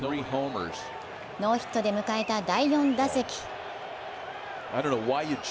ノーヒットで迎えた第４打席。